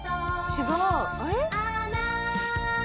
「違うあれ？」